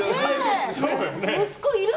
息子いる？